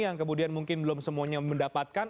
yang kemudian mungkin belum semuanya mendapatkan